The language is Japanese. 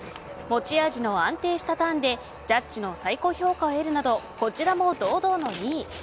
持ち味の安定したターンでジャッジの最高評価を得るなどこちらも堂々の２位。